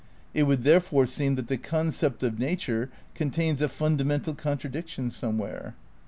It would, therefore, seem that the concept of nature con tains a fundamental contradiction somewhere.